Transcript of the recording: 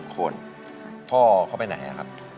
คนพ่อเข้าไปไหนครับ